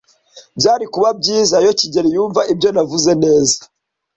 Byari kuba byiza iyo kigeli yumva ibyo navuze neza.